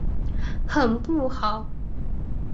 很不好！